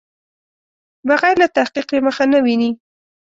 بغیر له تحقیق یې مخه نه ویني.